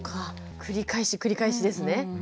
繰り返し繰り返しですね。